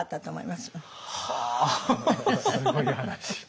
すごい話。